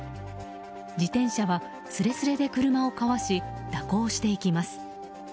自転車はスレスレで車をかわし蛇行していきます。